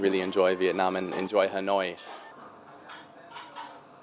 với những người việt nam anh cảm thấy vô cùng thích thú